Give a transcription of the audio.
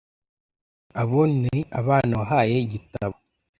Abo ni abana wahaye igitabo